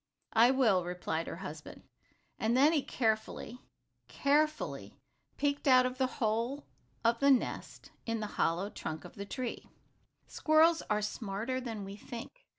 "I will," replied her husband. And then he carefully, carefully peeked out of the hole of the nest in the hollow trunk of the tree. Squirrels are smarter than we think.